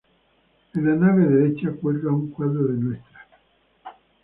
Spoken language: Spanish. En la nave derecha cuelga un cuadro de Ntra.